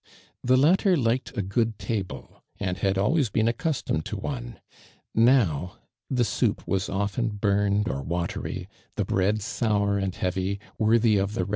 The latter liked a good table and h.'Jil always been accustomed to one — now, the soup was often burned or watery, the bread sour and heavy, worthy of the AHMAND DURAND.